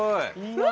うわ！